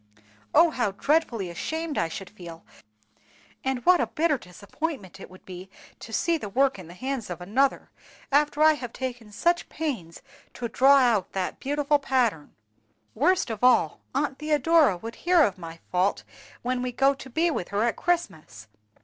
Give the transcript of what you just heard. Oh, how dreadfully ashamed I should feel, and what a bitter disappointment it would be to see the work in the hands of another, after I have taken such pains to draw out that beautiful pattern! Worst of all, Aunt Theodora would hear of my fault when we go to be with her at Christmas.